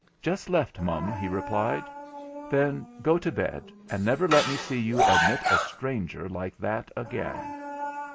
'Just left, mum,' he replied. 'Then go to bed, and never let me see you admit a stranger like that again.'